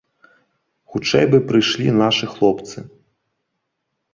Хутчэй бы прыйшлі нашы хлопцы.